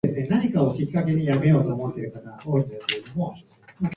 歳月、月日があっという間に過ぎてゆくこと。